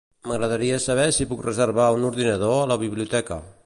M'agradaria saber si puc reservar un ordinador a la biblioteca.